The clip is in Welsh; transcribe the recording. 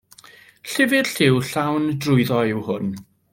Llyfr lliw llawn drwyddo yw hwn.